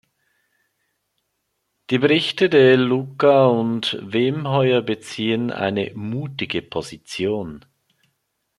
Die Berichte De Luca und Wemheuer beziehen eine mutige Position.